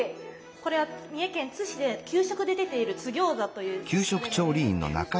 これは三重県津市で給食で出ている「津ぎょうざ」という食べ物です。